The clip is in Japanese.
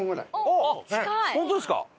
あっホントですか？